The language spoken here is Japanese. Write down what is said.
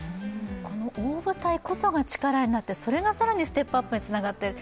この大舞台こそが力になって、それが更にステップアップにつながっている。